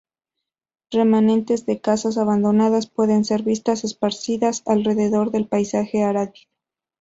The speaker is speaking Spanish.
Remanentes de casas abandonadas pueden ser vistas esparcidas alrededor del paisaje árido.